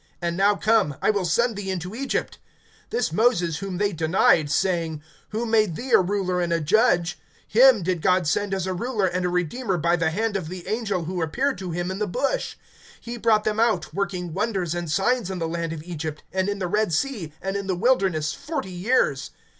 And now come, I will send thee into Egypt. (35)This Moses whom they denied, saying: Who made thee a ruler and a judge? him did God send as a ruler and a redeemer by the hand[7:35] of the angel who appeared to him in the bush. (36)He brought them out, working wonders and signs in the land of Egypt, and in the Red sea, and in the wilderness forty years.